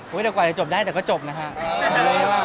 คิดว่าเราไหวจริงมั้ยเพราะกว่า